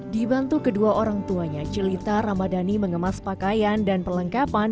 dibantu kedua orang tuanya celita ramadhani mengemas pakaian dan perlengkapan